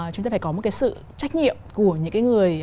chúng ta phải có một cái sự trách nhiệm của những cái người